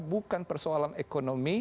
bukan persoalan ekonomi